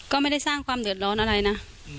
ก็ไม่ได้สร้างความเดือดร้อนอะไรนะ